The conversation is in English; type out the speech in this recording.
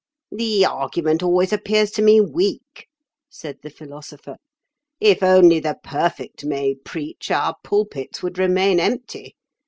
"The argument always appears to me weak," said the Philosopher. "If only the perfect may preach, our pulpits would remain empty.